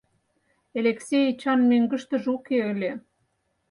Элексей Эчан мӧҥгыштыжӧ уке ыле.